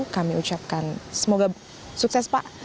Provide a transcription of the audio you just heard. kami ucapkan semoga sukses pak